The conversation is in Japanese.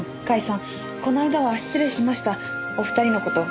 ん？